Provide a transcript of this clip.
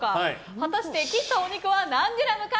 果たして、切ったお肉は何グラムか。